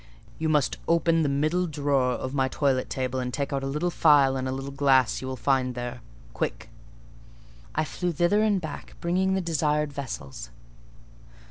You must open the middle drawer of my toilet table and take out a little phial and a little glass you will find there,—quick!" I flew thither and back, bringing the desired vessels.